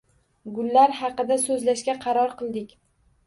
Gullar haqida so‘zlashga qaror qildik.